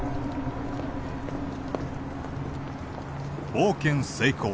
「冒険成功！